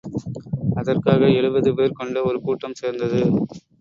அதற்காக எழுபது பேர் கொண்ட ஒரு கூட்டம் சேர்ந்தது.